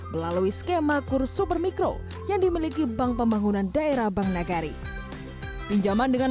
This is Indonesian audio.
melalui skema kursu bermikro yang dimiliki bank pembangunan daerah bank nagari pinjaman dengan